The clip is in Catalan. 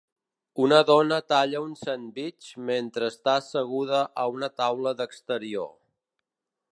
Una dona talla un sandvitx mentre està asseguda a una taula d'exterior.